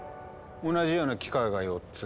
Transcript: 同じような機械が４つ。